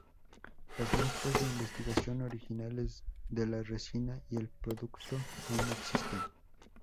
Las muestras de investigación originales de la resina y el producto aún existen.